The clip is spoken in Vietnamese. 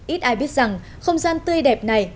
ít ai biết rằng không gian tươi đẹp này